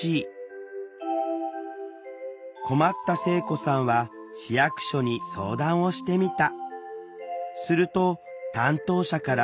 困った聖子さんは市役所に相談をしてみた。